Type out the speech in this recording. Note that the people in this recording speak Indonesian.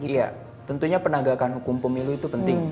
iya tentunya penegakan hukum pemilu itu penting